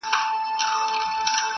درته یادیږي بېله جنګه د خپل ښار خبري؟!.